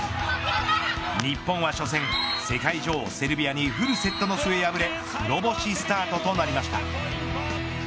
日本は初戦、世界女王セルビアにフルセットの末敗れ黒星スタートとなりました。